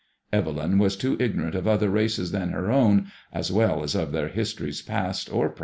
Evelyn was too ignorant of other races than her own, as well as of their histories past or pre* MADBMOISBLLB IXB.